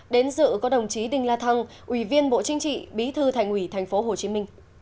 đến dự có đồng chí đinh la thăng ủy viên bộ chính trị bí thư thành ủy tp hcm